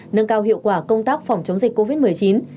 nâng cao hiệu quả công tác phòng chống dịch covid một mươi chín